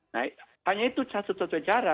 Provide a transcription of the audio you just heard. nah hanya itu satu satunya cara